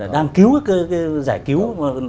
đang cứu giải cứu